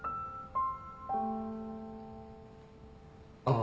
あ。